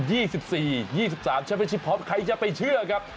เฉพาะเป็นชิปพร้อมใครจะไปเชื่อครับ